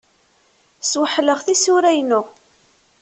Sweḥleɣ tisura-inu.